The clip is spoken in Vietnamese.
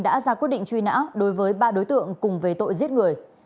đã ra quyết định truy nã đối với ba đối tượng cùng về tội giết người